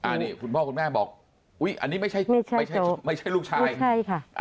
อันนี้คุณพ่อคุณแม่บอกอันนี้ไม่ใช่ลูกชายไม่ใช่ตัวไม่ใช่ค่ะ